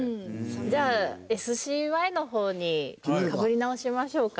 じゃあＳＣＹの方にかぶり直しましょうか。